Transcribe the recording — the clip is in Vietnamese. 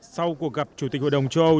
sau cuộc gặp chủ tịch hội đồng châu âu